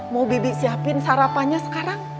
mau bibi siapin sarapannya sekarang